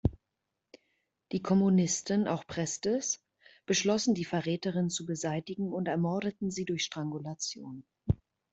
Die Kommunisten, auch Prestes, beschlossen, die „Verräterin“ zu beseitigen und ermordeten sie durch Strangulation.